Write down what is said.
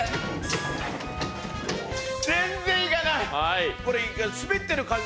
全然行かない。